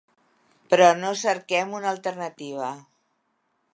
Però no cerquem una alternativa.